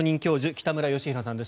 北村義浩さんです。